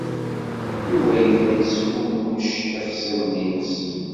Yuba yella yesfunnuc ixṣimen-nnes.